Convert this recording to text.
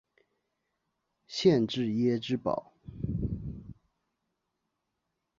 县治耶芝堡。